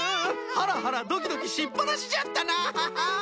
ハラハラドキドキしっぱなしじゃったな！